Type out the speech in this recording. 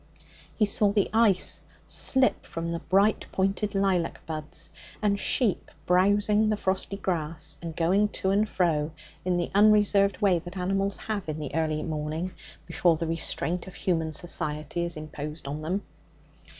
He saw the ice slip from the bright pointed lilac buds, and sheep browsing the frosty grass, and going to and fro in the unreserved way that animals have in the early hours before the restraint of human society is imposed on them.